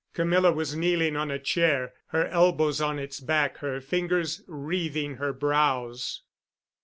Camilla was kneeling on a chair, her elbows on its back, her fingers wreathing her brows.